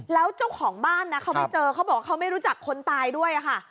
แล้วเจ้าของบ้านนะเขาไม่เจอเขาบอกว่าเขาไม่รู้จักคนตายด้วยค่ะ